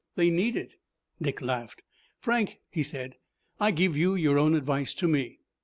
They need it." Dick laughed. "Frank," he said, "I give you your own advice to me.